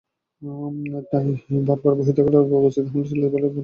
তাই আবার বহিরাগতরা বস্তিতে হামলা চালাতে পারে বলে বস্তির বাসিন্দারা আশঙ্কা করছেন।